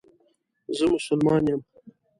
زه مسلمان یم